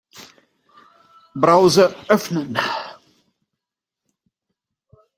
Browser öffnen.